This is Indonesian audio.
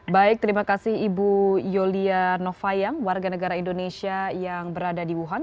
baik terima kasih ibu yolia novayang warga negara indonesia yang berada di wuhan